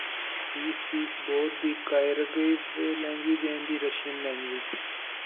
He speaks both the Kyrgyz language and the Russian language.